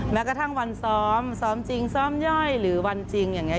แม้กระทั่งวันซ้อมซ้อมจริงซ้อมย่อยหรือวันจริงอย่างนี้